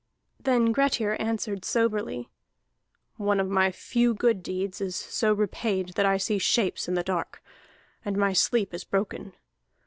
Then Grettir answered soberly: "One of my few good deeds is so repaid that I see shapes in the dark, and my sleep is broken.